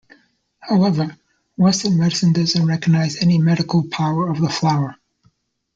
However, western medicine doesn't recognize any medical power of the flower.